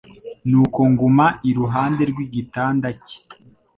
nuko nguma iruhande rw'igitanda cye.